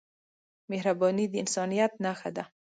مهرباني د انسانیت نښه ده.